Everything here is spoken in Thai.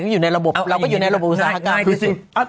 อยู่ในระบบเราก็อยู่ในระบบอุตสาหกรรม